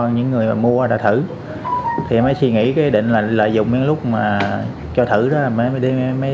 những người mua và đeo thử thì mới suy nghĩ định lợi dụng lúc cho thử đó mới đi